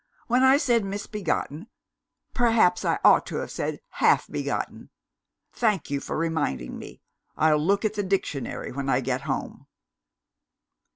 "When I said 'misbegotten,' perhaps I ought to have said 'half begotten'? Thank you for reminding me. I'll look at the dictionary when I get home."